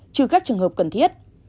trừ các trường hợp cần thiết